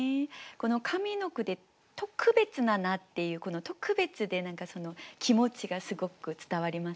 この上の句で「特別な名」っていうこの「特別」で気持ちがすごく伝わりますね。